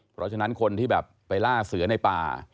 เพราะฉะนั้นคนที่แบบไปล่าเสือในป่า